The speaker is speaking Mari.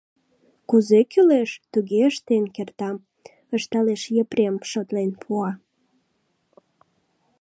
— Кузе кӱлеш, туге ыштен кертам, — ышталеш Епрем, шотлен пуа.